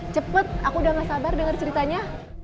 cepet aku udah gak sabar dengar ceritanya